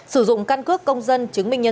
sử dụng căn cước công dân chứng minh nhân